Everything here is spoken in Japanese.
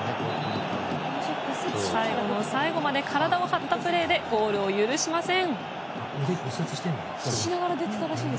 最後の最後まで体を張ったプレーでゴールを許しません。